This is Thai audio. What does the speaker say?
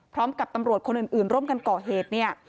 พร้อมกับตำรวจคนอื่นร่วมกันก่อเหตุเนี่ย